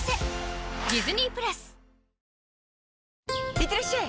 いってらっしゃい！